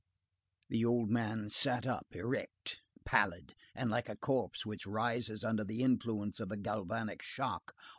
The old man sat up erect, pallid, and like a corpse which rises under the influence of a galvanic shock.